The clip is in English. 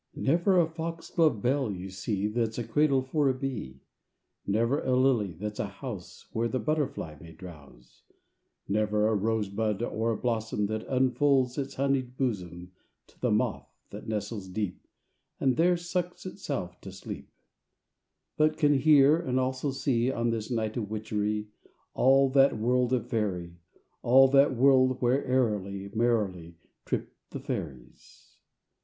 III Never a foxglove bell, you see, That's a cradle for a bee; Never a lily, that's a house Where the butterfly may drowse; Never a rose bud or a blossom, That unfolds its honeyed bosom To the moth, that nestles deep And there sucks itself to sleep, But can hear and also see, On this night of witchery, All that world of Faerie, All that world where airily, Merrily, Trip the Fairies.